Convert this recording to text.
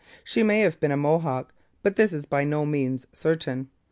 She may have been a Mohawk, but this is by no means certain.